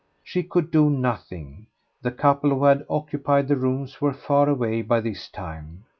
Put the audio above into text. She could do nothing; the couple who had occupied the room were far away by this time.